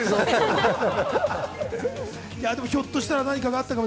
でもひょっとしたら何かがあったかも。